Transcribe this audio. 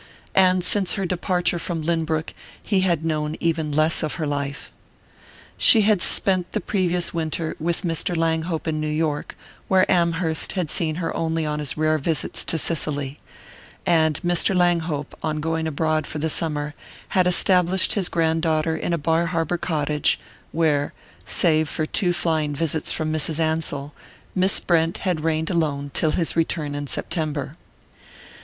And since her departure from Lynbrook he had known even less of her life. She had spent the previous winter with Mr. Langhope in New York, where Amherst had seen her only on his rare visits to Cicely; and Mr. Langhope, on going abroad for the summer, had established his grand daughter in a Bar Harbour cottage, where, save for two flying visits from Mrs. Ansell, Miss Brent had reigned alone till his return in September.